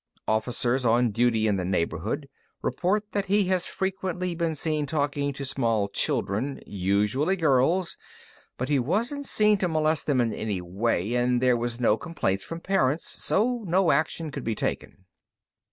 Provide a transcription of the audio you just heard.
"Officers on duty in the neighborhood report that he has frequently been seen talking to small children, usually girls, but he wasn't seen to molest them in any way, and there were no complaints from parents, so no action could be taken."